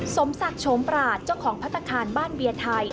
สมศักดิ์โฉมปราศเจ้าของพัฒนาคารบ้านเบียร์ไทย